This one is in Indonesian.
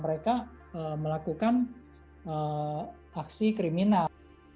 mereka melakukan aksi kriminal